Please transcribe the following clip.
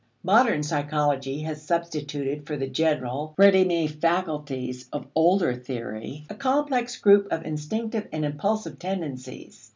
Modern psychology has substituted for the general, ready made faculties of older theory a complex group of instinctive and impulsive tendencies.